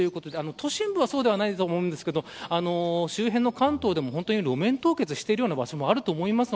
都心部ではそうではないと思うんですが周辺の関東でも路面凍結しているような場所もあると思います。